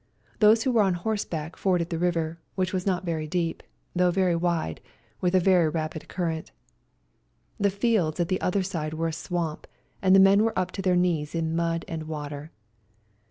Those who were on horseback forded the river, which was not very deep, though very wide, with a very rapid current. The fields at the other side were a swamp, and the men were up to their knees in mud and water.